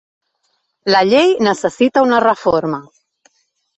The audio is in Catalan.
La llei necessita una reforma.